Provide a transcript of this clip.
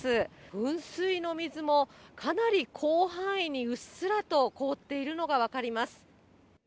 噴水の水もかなり広範囲にうっすらと凍っているのが分かります。